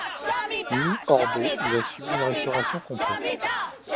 Mis hors d'eau, il a subi une restauration complète.